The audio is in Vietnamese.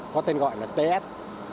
có tên gọi là ts